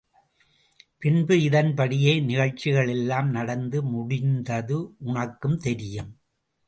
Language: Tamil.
பின்பு இதன் படியே நிகழ்ச்சிகள் எல்லாம் நடந்து முடிந்தது உனக்கும் தெரியும்.